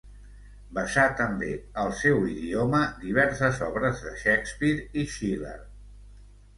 Vessà també al seu idioma diverses obres de Shakespeare i Schiller.